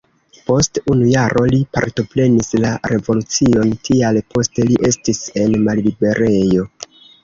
Post unu jaro li partoprenis la revolucion, tial poste li estis en malliberejo.